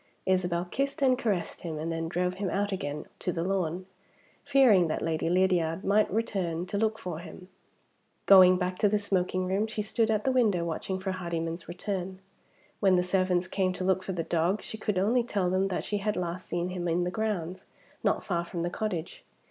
Isabel kissed and caressed him, and then drove him out again to the lawn, fearing that Lady Lydiard might return to look for him. Going back to the smoking room, she stood at the window watching for Hardyman's return. When the servants came to look for the dog, she could only tell them that she had last seen him in the grounds, not far from the cottage.